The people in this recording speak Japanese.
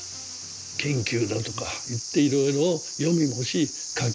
研究だとかいっていろいろ読みもし書き